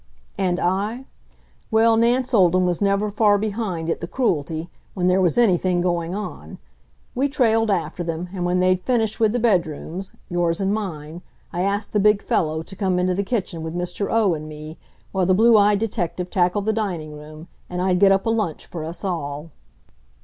And I? Well, Nance Olden was never far behind at the Cruelty when there was anything going on. We trailed after them, and when they'd finished with the bedrooms yours and mine I asked the big fellow to come into the kitchen with Mr. O. and me, while the blue eyed detective tackled the dining room, and I'd get up a lunch for us all.